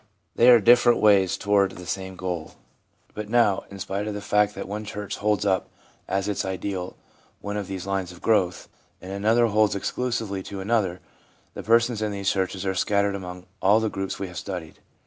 They are different ways toward the same goal. But now, in spite of the fact that one church holds up as its ideal one of these lines of growth, and another holds exclusively to another, the persons in these churches are scattered among all the groups we have studied.